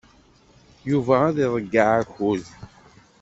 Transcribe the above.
Yuba ad iḍeyyeɛ akud.